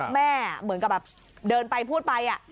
เหมือนกับแบบเดินไปพูดไป